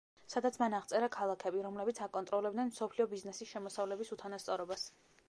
სადაც მან აღწერა ქალაქები, რომლებიც აკონტროლებდნენ მსოფლიო ბიზნესის შემოსავლების უთანასწორობას.